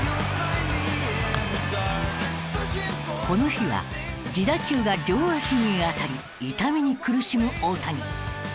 この日は自打球が両足に当たり痛みに苦しむ大谷。